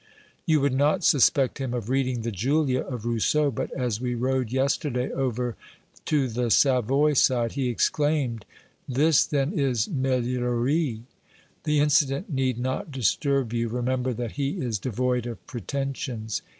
You would not suspect him of reading the "Julia" of Rousseau, but, as we rowed yesterday over to the Savoy side, he exclaimed :" This then is Meillerie !" The incident need not disturb youj remember that he is devoid of pretensions.